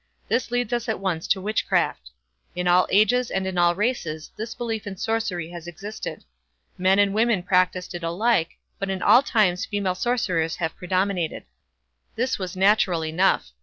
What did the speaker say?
This leads us at once to witchcraft. In all ages and in all races this belief in sorcery has existed. Men and women practised it alike, but in all times female sorcerers have predominated. This was natural enough.